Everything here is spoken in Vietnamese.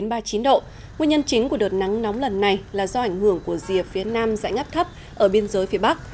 nguyên nhân chính của đợt nắng nóng lần này là do ảnh hưởng của rìa phía nam dãy ngắp thấp ở biên giới phía bắc